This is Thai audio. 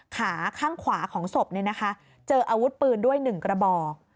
ขาข้างขวาของศพนี่นะคะเจออาวุธปืนด้วยหนึ่งกระบอก